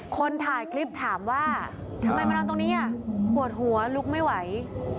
คนถ่ายคลิปถามว่าทำไมมานอนตรงนี้ปวดหัวลุกไม่ไหว